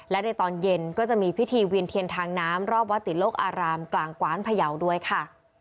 และในตอนเย็นก็จะมีพิธีเวียนเทียนทางน้ำรอบวัดติโลกอารามกลางกว้านพยาวด้วยค่ะ